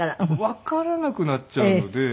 わからなくなっちゃうので。